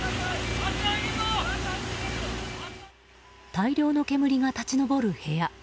大量の煙が立ち上る部屋。